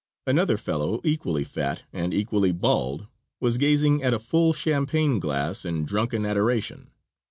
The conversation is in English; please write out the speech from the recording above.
Another fellow, equally fat and equally bald, was gazing at a full champagne glass in drunken adoration.